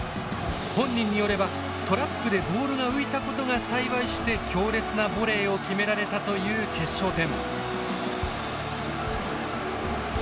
本人によればトラップでボールが浮いたことが幸いして強烈なボレーを決められたという決勝点。